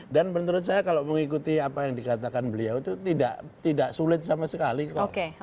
dan menurut saya kalau mengikuti apa yang dikatakan beliau itu tidak sulit sama sekali kok